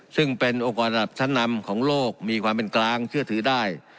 ซึ่งเป็นองค์กรระดับชั้นนำของโลกมีความเป็นกลางเชื่อถือได้